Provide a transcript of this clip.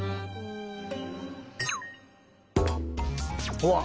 うわっ！